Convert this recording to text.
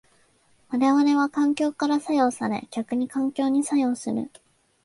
我々は環境から作用され逆に環境に作用する。